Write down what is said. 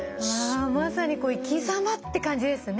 まさに生き様って感じですね。